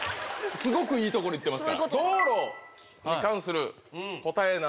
すごくいいところいってます。